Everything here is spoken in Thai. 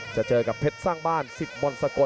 จะเจอกับเพชรสร้างบ้าน๑๐บสก